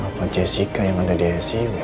apa jessica yang ada di icu ya